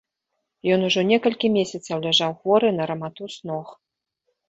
Ён ужо некалькі месяцаў ляжаў хворы на раматус ног.